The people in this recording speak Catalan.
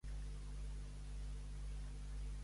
Al rei, a l'aigua i al foc, fer-los lloc.